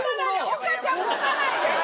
オカちゃん持たないで！